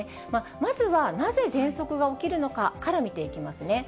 まずはなぜ、ぜんそくが起きるのかから見ていきますね。